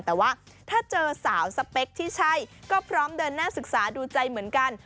แต่ว่าถ้าเจอสาวสเปคที่ใช่ก็พร้อมเดินหน้าศึกษาดูใจเหมือนกัน